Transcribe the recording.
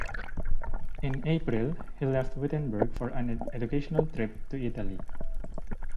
In April he left Wittenberg for an educational trip to Italy.